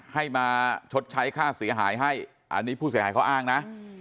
ให้มาชดใช้ค่าเสียหายให้อันนี้ผู้เสียหายเขาอ้างนะ